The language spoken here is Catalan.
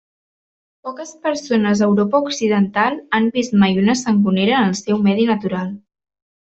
Poques persones a Europa Occidental han vist mai una sangonera en el seu medi natural.